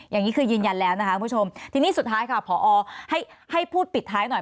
อย่างนี้คือยืนยันแล้วนะคะคุณผู้ชมทีนี้สุดท้ายค่ะพอให้พูดปิดท้ายหน่อย